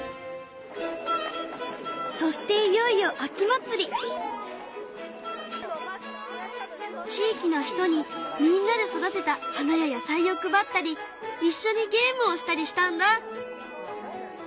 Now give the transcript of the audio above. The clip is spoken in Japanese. そしていよいよ地域の人にみんなで育てた花や野菜を配ったりいっしょにゲームをしたりしたんだ。